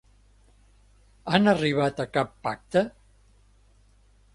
Han arribat a cap pacte?